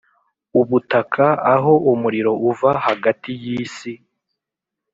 ubutaka aho umuriro uva hagati yisi